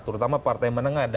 terutama partai menengah